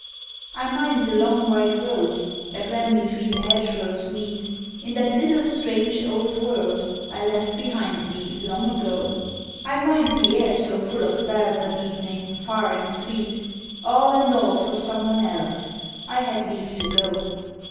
I mind the long, white road that ran between the hedgerows neat, In that little, strange old world I left behind me long ago, I mind the air so full of bells at evening, far and sweet All and all for someone else I had leave to go!